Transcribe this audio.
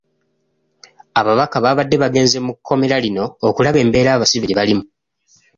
Ababaka baabadde bagenze mu kkomera lino okulaba embeera abasibe gye balimu.